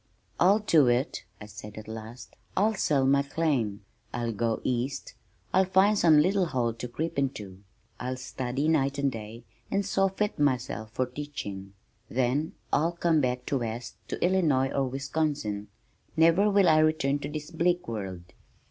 "I'll do it," I said at last. "I'll sell my claim. I'll go east. I'll find some little hole to creep into. I'll study night and day and so fit myself for teaching, then I'll come back west to Illinois or Wisconsin. Never will I return to this bleak world."